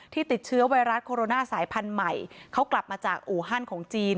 ติดเชื้อไวรัสโคโรนาสายพันธุ์ใหม่เขากลับมาจากอู่ฮั่นของจีน